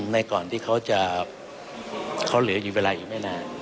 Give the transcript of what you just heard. ในก่อนที่เขาเหลืออยู่เวลาอีกไม่นาน